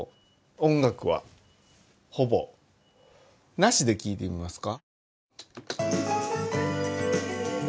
なしで聴いてみますか？